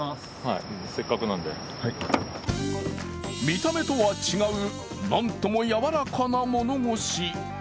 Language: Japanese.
見た目とは違う、なんとも柔らかな物腰。